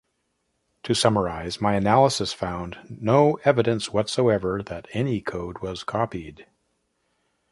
To summarize, my analysis found no evidence whatsoever that any code was copied.